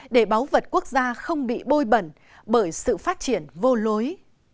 để báu vật quốc gia không bị bôi bẩn bởi sự phát triển vô lối